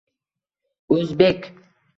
— O‘zbek…